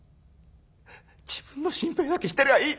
自分の心配だけしてりゃあいい。